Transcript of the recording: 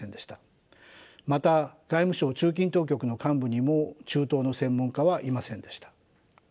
また外務省中近東局の幹部にも中東の専門家はいませんでした。